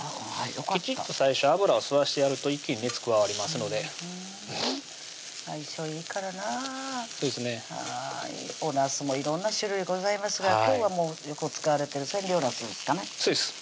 きちっと最初油を吸わしてやると一気に熱加わりますので相性いいからなぁそうですねおなすも色んな種類ございますが今日はよく使われてる千両なすですかね